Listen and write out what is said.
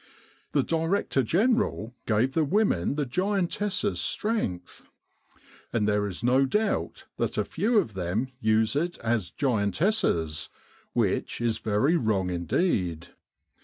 The Director General gave the women the giantesses' strength, and there is no doubt that a few of them use it as giantesses, which is very wrong indeed.